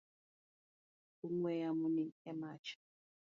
Ong’we yamo ni e mach.